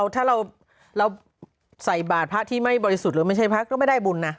ถ้าเราใส่บาทพระที่ไม่บริสุทธิ์หรือไม่ใช่พระก็ไม่ได้บุญนะ